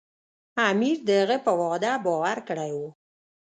امیر د هغه په وعده باور کړی و.